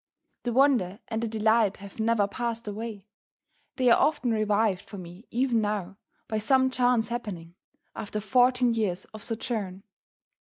The wonder and the delight have never passed away: they are often revived for me even now, by some chance happening, after fourteen years of sojourn.